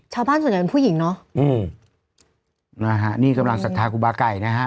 ชาวบ้านส่วนใหญ่เป็นผู้หญิงเนอะอืมนะฮะนี่กำลังศรัทธาครูบาไก่นะฮะ